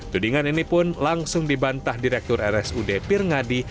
tudingan ini pun langsung dibantah direktur rsud pirngadi